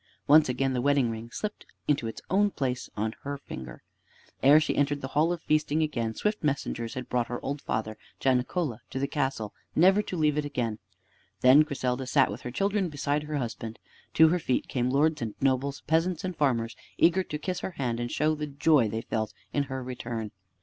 Once again the wedding ring slipped into its own place on her finger. Ere she entered the hall of feasting again, swift messengers had brought her old father, Janicola, to the castle, never to leave it again. Then Griselda sat with her children beside her husband. To her feet came lords and nobles, peasants and farmers, eager to kiss her hand and to show the joy they felt in her return.